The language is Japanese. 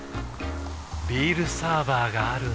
ビールサーバーがある夏。